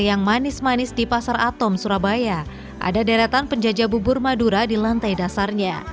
yang manis manis di pasar atom surabaya ada deretan penjajah bubur madura di lantai dasarnya